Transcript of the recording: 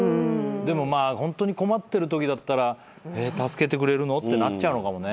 でもまあホントに困ってるときだったら「助けてくれるの？」ってなっちゃうのかもね。